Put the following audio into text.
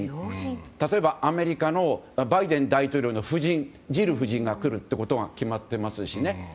例えば、アメリカのバイデン大統領の夫人のジル夫人が来ることが決まってますしね。